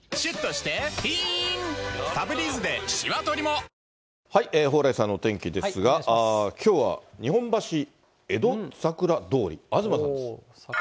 三ツ矢サイダー』蓬莱さんのお天気ですが、きょうは日本橋、えどさくら通り、東さんです。